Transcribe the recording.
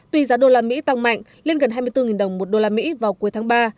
tuy giá đô la mỹ tăng mạnh lên gần hai mươi bốn đồng một đô la mỹ vào cuối tháng ba